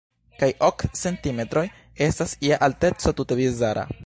Kaj ok centimetroj estas ja alteco tute bizara.